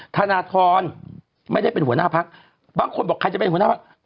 ธนทรไม่ได้เป็นหัวหน้าพักบางคนบอกใครจะเป็นหัวหน้าพัก